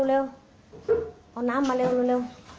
เอาน้ำมาเร็ว